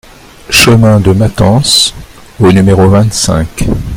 Chemin de Matens au numéro vingt-cinq